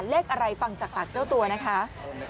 เลขอะไรฟังจากตัวตัวนะคะ